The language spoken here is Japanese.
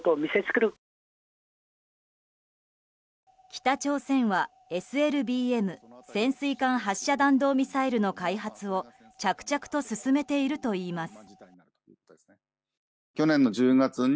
北朝鮮はＳＬＢＭ・潜水艦発射弾道ミサイルの開発を着々と進めているといいます。